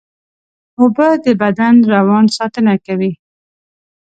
اوبه د بدن روان ساتنه کوي